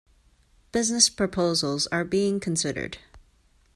Business proposals are being considered.